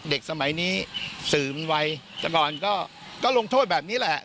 สมัยนี้สื่อมันไวแต่ก่อนก็ลงโทษแบบนี้แหละ